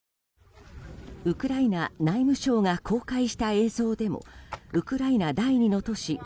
ウクライナ内務省が公開した映像でもウクライナ第２の都市